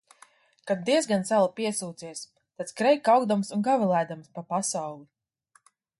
Kad diezgan sala piesūcies, tad skrej kaukdams un gavilēdams pa pasauli.